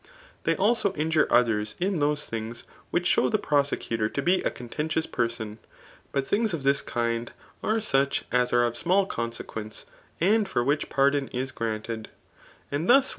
They alsp injure others hi those things, which show the prosecutor to be a contientious person; bat things of this kind are such as are of ^mall consequence^ and for which pardon js gtanted^ And thus we have'